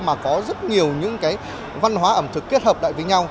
mà có rất nhiều những cái văn hóa ẩm thực kết hợp lại với nhau